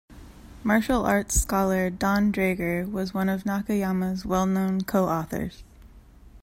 Martial arts scholar Donn Draeger was one of Nakayama's well-known co-authors.